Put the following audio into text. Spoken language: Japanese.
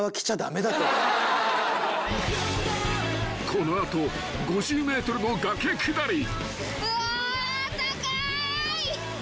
［この後５０ｍの崖下り］